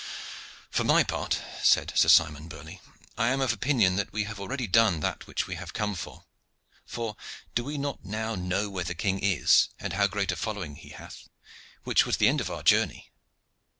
"For my part," said Sir Simon Burley, "I am of opinion that we have already done that which we have come for. For do we not now know where the king is, and how great a following he hath, which was the end of our journey."